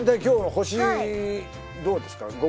今日の星どうですか？